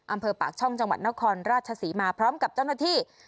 อำเภอปากช่องจังหวัดนครราชศรีมาพร้อมกับเจ้าหน้าที่